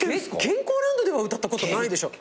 健康ランドでは歌ったことないでしょ？